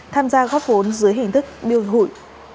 tham gia góp vốn dưới hình thức biêu hụi